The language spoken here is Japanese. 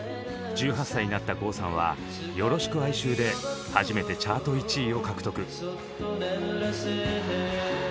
１８歳になった郷さんは「よろしく哀愁」で初めてチャート１位を獲得。